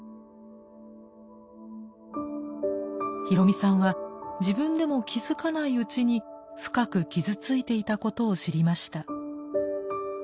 ヒロミさんは自分でも気付かないうちに深く傷ついていたことを知りました。